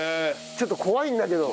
ちょっと怖いんだけど。